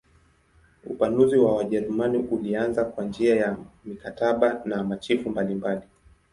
Upanuzi wa Wajerumani ulianza kwa njia ya mikataba na machifu mbalimbali.